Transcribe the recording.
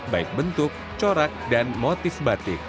baik bentuk corak dan motif batik